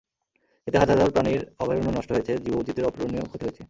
এতে হাজার হাজার পাখির অভয়ারণ্য নষ্ট হয়েছে, জীববৈচিত্র্যের অপূরণীয় ক্ষতি হয়েছে।